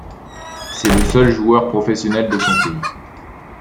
C'est le seul joueur professionnel de son pays.